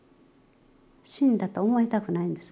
死んだと思いたくないんですね